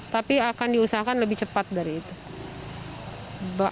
tapi akan diusahakan lebih cepat dari itu